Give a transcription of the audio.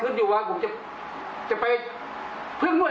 เขาบอกว่าเจนผมตำรึไงล่ะ